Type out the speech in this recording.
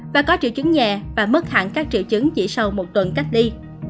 và có triệu chứng nhẹ và mất hẳn các triệu chứng chỉ sau một tuần cách ly